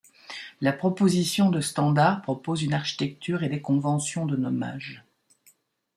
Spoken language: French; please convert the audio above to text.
La proposition de standard propose une architecture et des conventions de nommages.